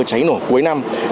cháy nổ cuối năm